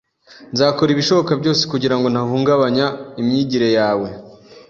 Nzakora ibishoboka byose kugirango ntahungabanya imyigire yawe.